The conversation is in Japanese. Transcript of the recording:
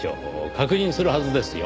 確認するはずですよ。